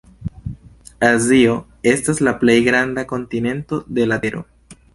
Azio estas la plej granda kontinento de la tero.